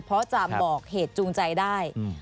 เพราะจะบอกเหตุจูงใจได้